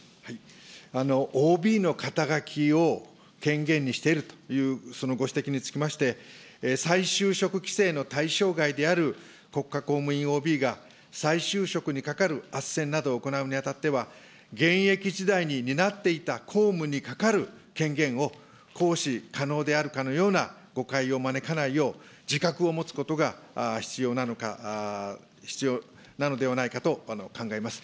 ＯＢの肩書を権限にしているという、そのご指摘につきまして、再就職規制の対象外である国家公務員ＯＢが、再就職にかかるあっせんなどを行うにあたっては、現役時代に担っていた公務にかかる権限を行使可能であるかのような誤解を招かないよう、自覚を持つことが必要なのか、必要なのではないかと考えます。